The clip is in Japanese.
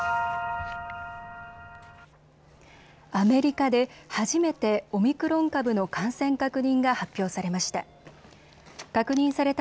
アメリカで初めてオミクロン株の感染確認が発表されました。